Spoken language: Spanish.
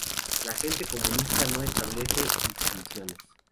La gente consumista no establece distinciones.